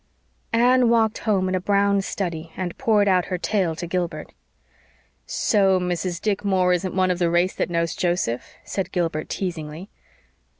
Anne walked home in a brown study and poured out her tale to Gilbert. "So Mrs. Dick Moore isn't one of the race that knows Joseph?" said Gilbert teasingly.